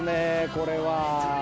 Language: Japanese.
これは。